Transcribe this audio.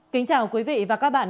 kính chào quý vị và các bạn